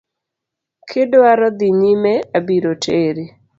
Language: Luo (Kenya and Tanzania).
Kidwaro dhi nyime abiro teri.